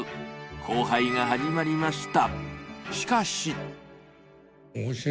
交配が始まりました。